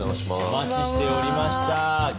お待ちしておりました。